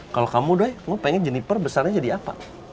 kalau kamu doi mau pengen jeniper besarnya jadi apa